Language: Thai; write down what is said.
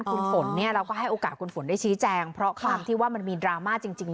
คุณฝนเนี่ยเราก็ให้โอกาสคุณฝนได้ชี้แจงเพราะความที่ว่ามันมีดราม่าจริง